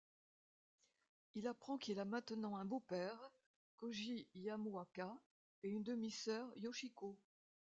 Il apprend qu'il a maintenant un beau-père, Kôji Yamaoka, et une demi-sœur Yoshiko.